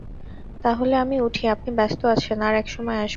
তা হলে আমি উঠি, আপনি ব্যস্ত আছেন, আর-এক সময় আসব।